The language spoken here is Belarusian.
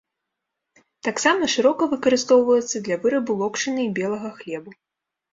Таксама шырока выкарыстоўваецца для вырабу локшыны і белага хлебу.